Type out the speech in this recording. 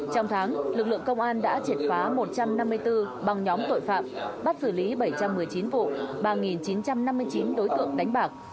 trong tháng lực lượng công an đã triệt phá một trăm năm mươi bốn băng nhóm tội phạm bắt xử lý bảy trăm một mươi chín vụ ba chín trăm năm mươi chín đối tượng đánh bạc